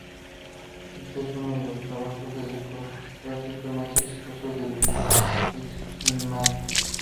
Este es uno de los trabajos discográficos más exitosos de Brightman.